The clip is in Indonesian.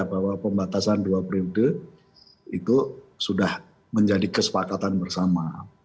bahwa pembatasan dua periode itu sudah menjadi kesepakatan bersama